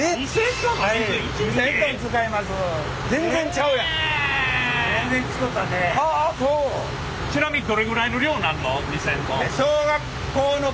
ちなみにどれぐらいの量なんの？